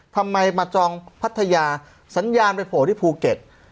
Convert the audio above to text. ทำไมมาจองพัทยาสัญญาณไปโผล่ที่ภูเก็ต